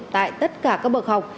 tại tất cả các bậc học